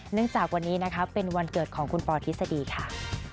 จากวันนี้นะคะเป็นวันเกิดของคุณปอทฤษฎีค่ะ